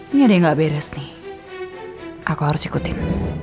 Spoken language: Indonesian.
ini ada yang gak beres nih aku harus ikutin